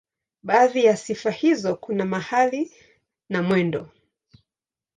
Baadhi ya sifa hizo kuna mahali na mwendo.